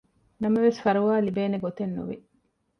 ނަމަވެސް ފަރުވާ ލިބޭނެ ގޮތެއް ނުވި